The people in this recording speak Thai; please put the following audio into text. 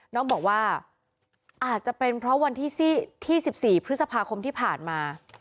น้องบอกว่าอาจจะเป็นเพราะวันที่๑๔พฤษภาคมที่ผ่านมา